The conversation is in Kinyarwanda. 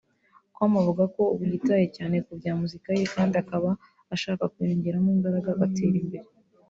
com avuga ko ubu yitaye cyane ku bya muzika ye kandi akaba ashaka kuyongeramo imbaraga agatera imbere